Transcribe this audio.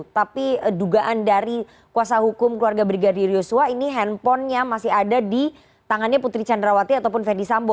tapi dugaan dari kuasa hukum keluarga brigadir yosua ini handphonenya masih ada di tangannya putri candrawati ataupun ferdisambo